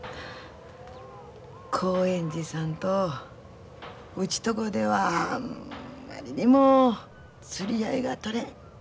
興園寺さんとうちとこではあんまりにも釣り合いが取れん。